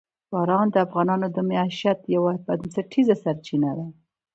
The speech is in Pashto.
باران د افغانانو د معیشت یوه بنسټیزه سرچینه ده.